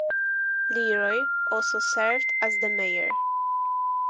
Leroy also served as the Mayor.